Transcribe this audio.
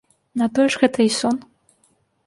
На тое ж гэта і сон.